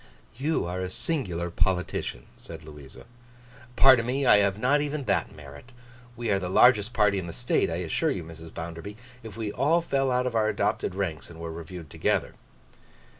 'You are a singular politician,' said Louisa. 'Pardon me; I have not even that merit. We are the largest party in the state, I assure you, Mrs. Bounderby, if we all fell out of our adopted ranks and were reviewed together.